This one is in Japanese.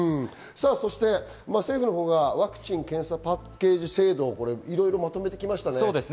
そして政府のほうがワクチン・検査パッケージ制度をまとめてきましたね。